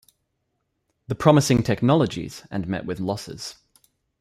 The promising technologies and met with losses.